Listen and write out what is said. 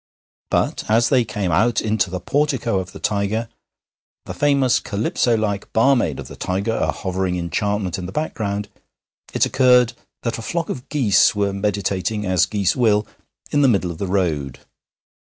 But as they came out into the portico of the Tiger, the famous Calypso like barmaid of the Tiger a hovering enchantment in the background, it occurred that a flock of geese were meditating, as geese will, in the middle of the road.